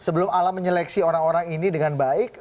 sebelum alam menyeleksi orang orang ini dengan baik